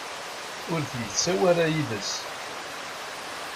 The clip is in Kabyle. Ur t-yettawi ara yid-s.